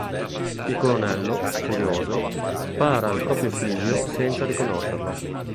Il colonnello, furioso, spara al proprio figlio senza riconoscerlo.